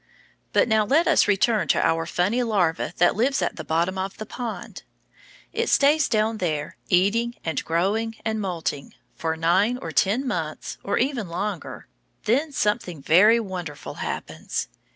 But now let us return to our funny larva that lives at the bottom of the pond. It stays down there, eating and growing and moulting, for nine or ten months or even longer; then something very wonderful happens.